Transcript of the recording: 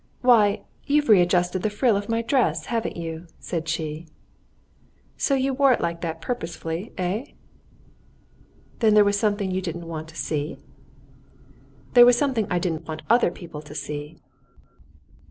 "Why, you've readjusted the frill of my dress, haven't you?" said she. "So you wore it like that purposely, eh?" "Then was there something you didn't want to see?" "There was something I didn't want other people to see."